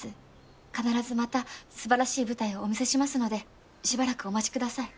必ずまたすばらしい舞台をお見せしますのでしばらくお待ちください。